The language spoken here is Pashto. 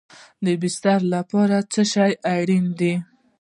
د بسترې لپاره څه شی اړین دی؟